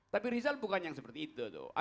tapi rizal bukan yang seperti itu